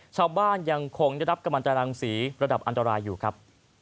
ชาวบ้านยังคงจะรับกำลังจารังศรีระดับอันตรายอยู่ครับ